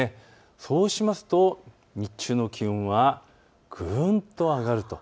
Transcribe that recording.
そうしますと日中の気温はぐんと上がると。